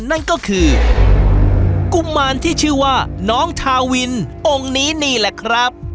นั่นก็คือกุมารที่ชื่อว่าน้องทาวินองค์นี้นี่แหละครับ